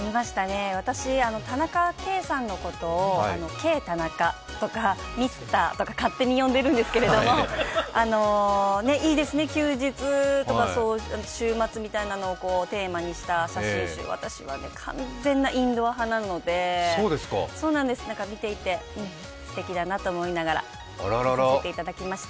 私、田中圭さんのことをケイ・タナカとかミスターとか勝手に呼んでるんですけれども、いいですね、休日とか週末みたいなのをテーマにした写真集、私は完全なインドア派なので見ていてすてきだなと思いながら見させていただきました。